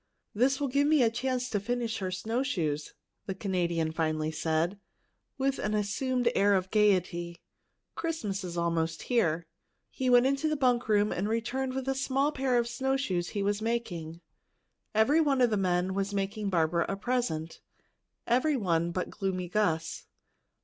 "This will give me a chance to finish her snowshoes," the Canadian finally said, with an assumed air of gayety. "Christmas is almost here." He went to the bunk room and returned with a pair of small snowshoes he was making. Every one of the men was making Barbara a present every one but Gloomy Gus.